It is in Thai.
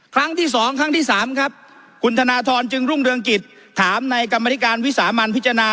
ครั้งที่สองครั้งที่สามครับคุณธนทรจึงรุ่งเรืองกิจถามในกรรมธิการวิสามันพิจารณา